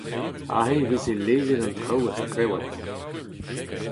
Aze e veze lezet an traoù a-strewad.